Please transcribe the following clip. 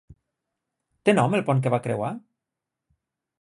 Té nom el pont que va creuar?